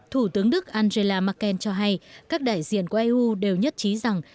thủ tướng đức angela merkel cho hay các đại diện của eu đều nhất trí rằng